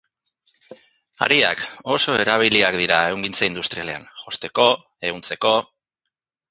Hariak, oso erabiliak dira ehungintza industrian, josteko, ehuntzeko...